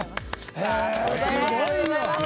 すごいよ。